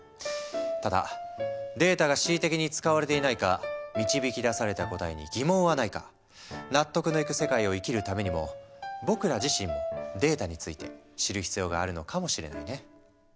ただデータが恣意的に使われていないか導き出された答えに疑問はないか納得のいく世界を生きるためにも僕ら自身もデータについて知る必要があるのかもしれないね。